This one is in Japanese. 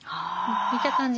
見た感じ